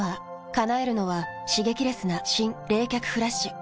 叶えるのは刺激レスな新・冷却フラッシュ。